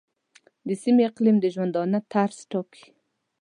د سیمې اقلیم د ژوندانه طرز ټاکي.